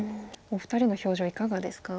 お二人の表情いかがですか？